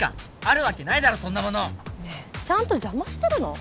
あるわけないだろそんなものねえちゃんと邪魔してるの？